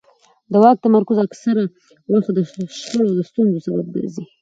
د واک تمرکز اکثره وخت د شخړو او ستونزو سبب ګرځي